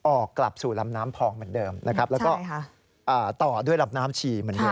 ออกกลับสู่ลำน้ำพองเหมือนเดิมนะครับแล้วก็ต่อด้วยลำน้ำฉี่เหมือนเดิ